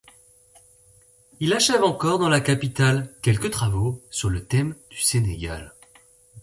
Il achève encore dans la capitale quelques travaux sur le thème du Sénégal.